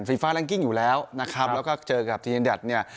ฟีฟ้าอยู่แล้วนะครับแล้วก็เจอกับทีมแดดเนี้ย